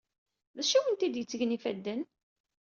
D acu awent-d-yettgen ifadden?